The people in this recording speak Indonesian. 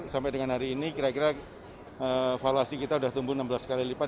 sampai dengan hari ini kira kira valuasi kita sudah tumbuh enam belas kali lipat